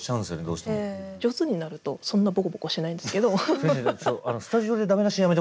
上手になるとそんなボコボコしないんですけど。